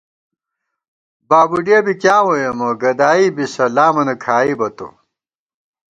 بابُڈِیَہ بی کِیاں ووئیمہ، گدائی بِسہ لامَنہ کھائیبہ تو